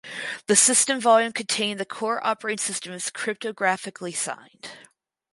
The system volume containing the core operating system is cryptographically signed.